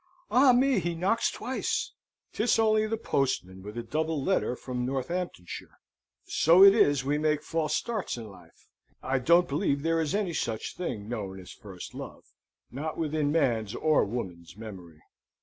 Ah me, he knocks twice! 'Tis only the postman with a double letter from Northamptonshire! So it is we make false starts in life. I don't believe there is any such thing known as first love not within man's or woman's memory.